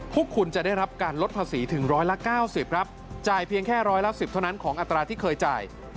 พวกคุณจะได้รับการลดภาษีถึงร้อยละ๙๐ครับจ่ายเพียงแค่ร้อยละ๑๐เท่านั้นของอัตราที่เคยจ่าย